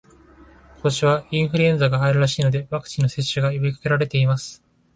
今年はインフルエンザが流行るらしいので、ワクチンの接種が呼びかけられています